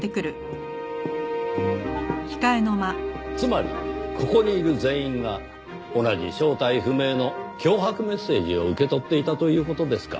つまりここにいる全員が同じ正体不明の脅迫メッセージを受け取っていたという事ですか。